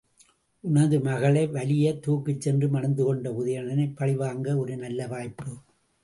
உன் மகளை வலிய தூக்கிச்சென்று மணந்துகொண்ட உதயணனைப் பழிவாங்க ஒரு நல்ல வாய்ப்பு!